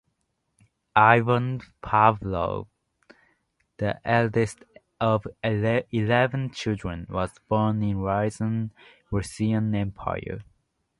Ivan Pavlov, the eldest of eleven children, was born in Ryazan, Russian Empire.